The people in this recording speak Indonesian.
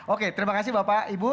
oke terima kasih bapak ibu